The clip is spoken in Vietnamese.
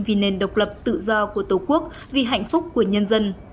vì nền độc lập tự do của tổ quốc vì hạnh phúc của nhân dân